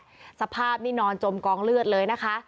นี่แหละสภาพนี่นอนจมกองเลือดเลยนะคะ